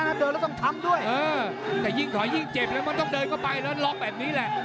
เดินแล้วต้องทำด้วยเออแต่ยิ่งถอยยิ่งเจ็บเลยมันต้องเดินเข้าไปแล้วล็อกแบบนี้แหละ